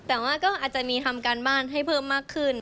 แต่ว่าก็อาจจะมีทำการบ้านให้เพิ่มมากขึ้น